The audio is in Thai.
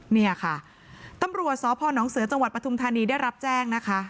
เนี่ยค่ะตำรวจสพนเสือจังหวัดปทุมธานีได้รับแจ้งนะคะ